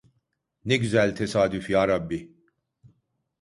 Ne güzel tesadüf Yarabbi…